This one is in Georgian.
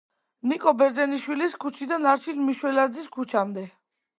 ნიკო ბერძენიშვილის ქუჩიდან არჩილ მიშველაძის ქუჩამდე.